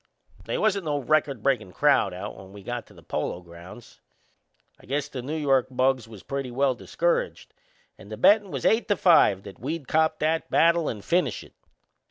They wasn't no record breakin' crowd out when we got to the Polo Grounds. I guess the New York bugs was pretty well discouraged and the bettin' was eight to five that we'd cop that battle and finish it.